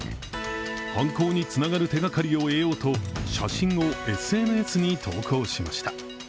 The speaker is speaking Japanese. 犯行につながる手がかりを得ようと写真をＳＮＳに投稿しました。